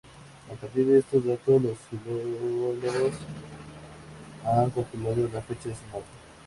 A partir de estos datos los filólogos han calculado la fecha de su muerte.